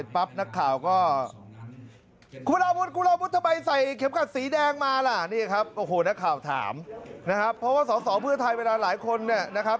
เพราะว่าสองเพื่อนไทยเวลาหลายคนเนี่ย